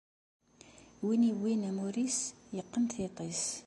Win yewwin amur-is, iqqen tiṭ-is.